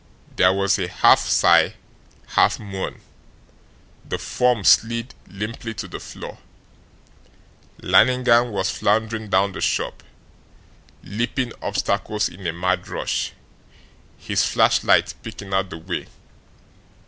There was a half sigh, half moan. The form slid limply to the floor. Lannigan was floundering down the shop, leaping obstacles in a mad rush, his flashlight picking out the way.